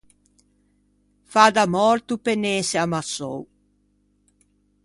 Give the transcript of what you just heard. Fâ da mòrto pe n’ëse ammassou.